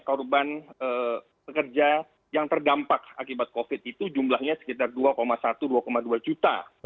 korban pekerja yang terdampak akibat covid itu jumlahnya sekitar dua satu dua dua juta